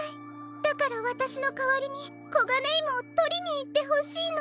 だからわたしのかわりにコガネイモをとりにいってほしいの。